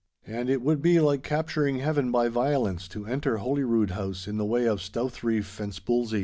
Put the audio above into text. And it would be like capturing Heaven by violence, to enter Holyrood House in the way of stouthrief and spulzie!